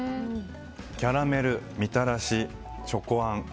キャラメル、みたらしチョコあん。